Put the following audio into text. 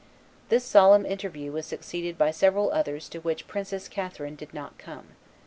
This solemn interview was succeeded by several others to which Princess Catherine did not come.